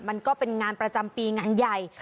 มันก็เป็นงานประจำปีงานใหญ่